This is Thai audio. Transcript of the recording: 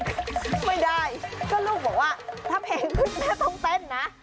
ไม่ได้ก็ลูกบอกว่าถ้าเพลงขึ้นแม่ต้องเต้นนะ